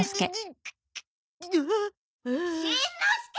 しんのすけ！